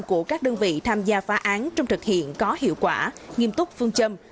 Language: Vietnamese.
của các đơn vị tham gia phá án trong thực hiện có hiệu quả nghiêm túc phương châm